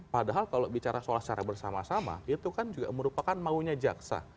padahal kalau bicara soal secara bersama sama itu kan juga merupakan maunya jaksa